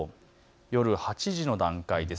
夜８時の段階です。